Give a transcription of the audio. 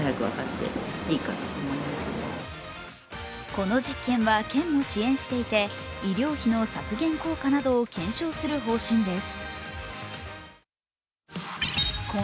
この実験は県も支援していて医療費の削減効果などを検証する方針です。